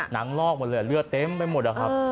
หนังลอกหมดเลยเหลือเต็มไปหมดครับ